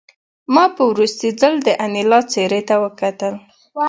ما په وروستي ځل د انیلا څېرې ته وکتل